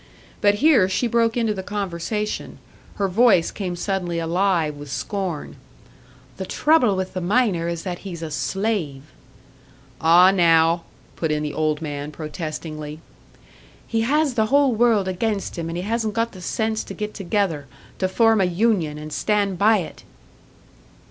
But here she broke into the conversation; her voice came suddenly, alive with scorn: "The trouble with the miner is that he's a slave!" "Ah, now " put in the old man, protestingly. "He has the whole world against him, and he hasn't got the sense to get together to form a union, and stand by it!"